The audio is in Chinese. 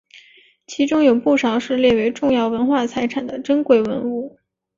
其中有不少是列为重要文化财产的珍贵文物。